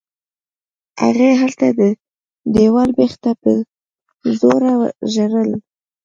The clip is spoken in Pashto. هغې هلته د دېوال بېخ ته په زوره ژړل.